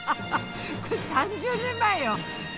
これ３０年前よ